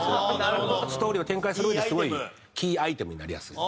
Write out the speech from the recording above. ストーリーを展開するうえですごいキーアイテムになりやすい。